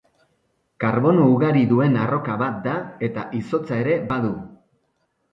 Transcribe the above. Karbono ugari duen arroka bat da eta izotza ere badu.